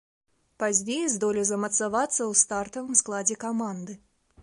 Пазней здолеў замацавацца ў стартавым складзе каманды.